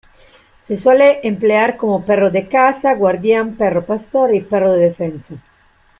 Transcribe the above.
Se suele emplear como perro de caza, guardián, perro pastor y perro de defensa.